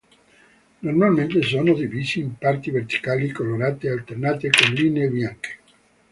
Normalmente sono divisi in parti verticali colorate alternate con linee bianche.